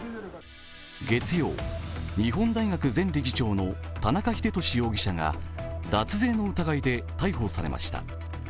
月曜、日本大学前理事長の田中英寿容疑者が脱税の疑いで逮捕されました。